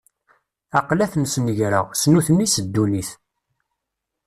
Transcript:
Aql-i ad ten-snegreɣ, s nutni, s ddunit.